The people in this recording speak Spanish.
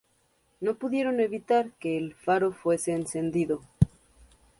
No pudieron evitar que el faro fuese encendido.